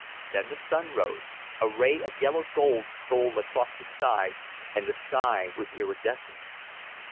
Then the sun rose, a ray of yellow gold stole across the sky, and the sky was iridescent.